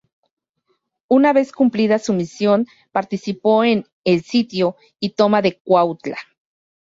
Una vez cumplida su misión participó en el sitio y toma de Cuautla.